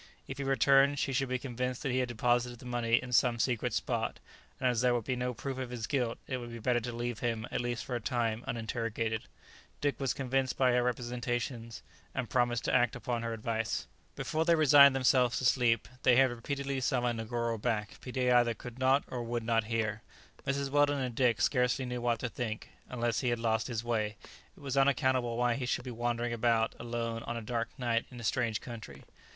If he returned, she should be convinced that he had deposited the money in some secret spot; and as there would be no proof of his guilt, it would be better to leave him, at least for a time, uninterrogated. [Illustration: The entomologist was seen making his way down the face of the cliff at the imminent risk of breaking his neck.] Dick was convinced by her representations, and promised to act upon her advice. Before they resigned themselves to sleep, they had repeatedly summoned Negoro back, but he either could not or would not hear. Mrs. Weldon and Dick scarcely knew what to think; unless he had lost his way; it was unaccountable why he should be wandering about alone on a dark night in a strange country.